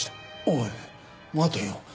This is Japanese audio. おい待てよ。